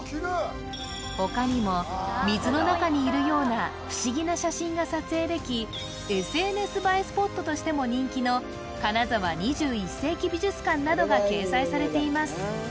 他にも水の中にいるような不思議な写真が撮影できＳＮＳ映えスポットとしても人気の金沢２１世紀美術館などが掲載されています